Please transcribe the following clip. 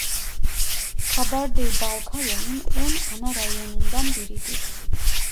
Kabardey-Balkarya'nın on ana rayonundan biridir.